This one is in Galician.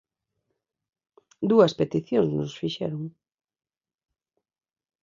Dúas peticións nos fixeron.